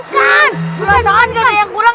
bukan bukan bukan bukan bukan bukan bukan